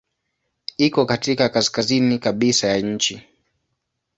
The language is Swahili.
Iko katika kaskazini kabisa ya nchi.